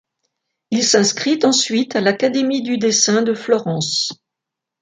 Il s'inscrit ensuite à l'académie du dessin de Florence.